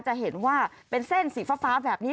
จะเห็นว่าเป็นเส้นสีฟ้าแบบนี้